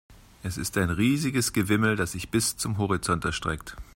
Es ist ein riesiges Gewimmel, das sich bis zum Horizont erstreckt.